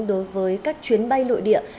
đối với các chuyến bay lội địa